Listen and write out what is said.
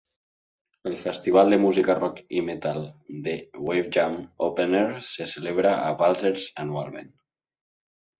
El festival de música rock i metal de Wavejam Openair se celebra a Balzers anualment.